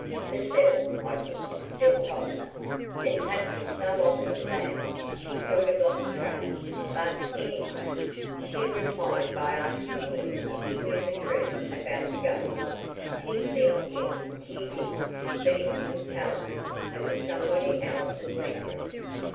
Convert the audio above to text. "The seventh, I think," said Polly. "It's happened so often that, she's sort of lost track; but anyway, she replied by asking him if he knew the truth about the ghost. He said, yes, he did, but he couldn't tell her; it was somebody else's secret.